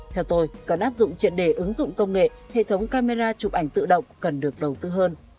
theo tôi cần áp dụng triệt đề ứng dụng công nghệ hệ thống camera chụp ảnh tự động cần được đầu tư hơn